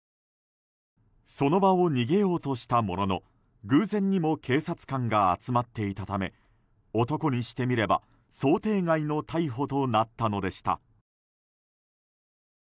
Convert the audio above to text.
その場を逃げようとしたものの偶然にも警察官が集まっていたため男にしてみれば想定外の逮捕となったのでした。